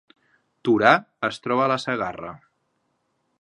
Torà es troba a la Segarra